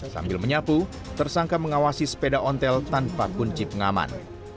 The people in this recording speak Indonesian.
sambil menyapu tersangka mengawasi sepeda ontel tanpa kunci pengaman